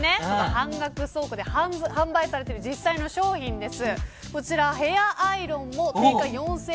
半額倉庫で実際に販売されている商品です。